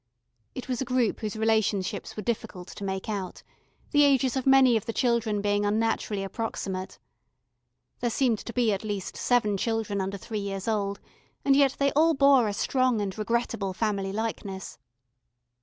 It was a group whose relationships were difficult to make out, the ages of many of the children being unnaturally approximate. There seemed to be at least seven children under three years old, and yet they all bore a strong and regrettable family likeness.